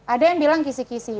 ada yang bilang kisi kisi